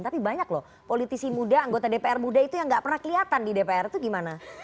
tapi banyak loh politisi muda anggota dpr muda itu yang gak pernah kelihatan di dpr itu gimana